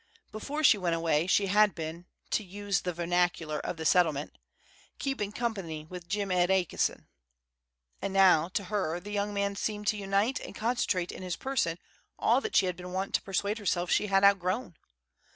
Before she went away she had been, to use the vernacular of the Settlement, "keepin' company with Jim Ed A'ki'son;" and now, to her, the young man seemed to unite and concentrate in his person all that she had been wont to persuade herself she had outgrown.